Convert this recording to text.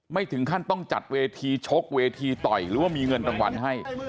ไม่ถึงขั้นต้องจัดเวทีชกเวทีต่อยหรือว่ามีเงินรางวัลให้